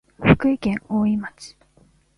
福井県おおい町